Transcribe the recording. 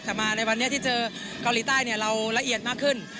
แต่มาในวันนี้ที่เจอเกาหลีใต้เราละเอียดมากขึ้น